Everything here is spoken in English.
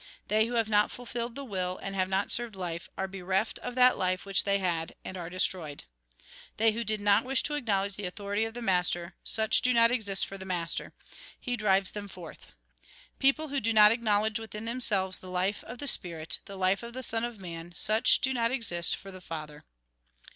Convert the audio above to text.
They who have not fulfilled the will, and have not served life, are bereft of that life which they had, and are destroyed. They who did not wish to acknowledge the authority of the master, such do not exist for the master ; he drives them forth. People who do not acknowledge within themselves the life of the spirit, the life of the Son of Man, such do not exist for the Father.